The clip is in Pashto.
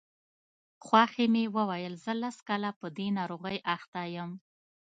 خواښې مې وویل زه لس کاله په دې ناروغۍ اخته یم.